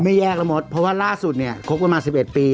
แยกแล้วมดเพราะว่าล่าสุดเนี่ยคบกันมา๑๑ปี